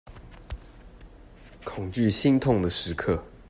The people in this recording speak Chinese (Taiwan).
恐懼心痛的時刻